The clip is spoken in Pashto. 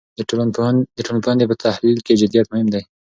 د ټولنپوهنې په تحلیل کې جدیت مهم دی.